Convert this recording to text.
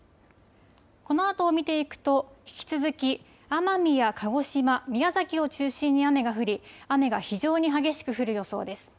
このあとを見ていくと引き続き奄美や鹿児島、宮崎を中心に雨が降り雨が非常に激しく降る予想です。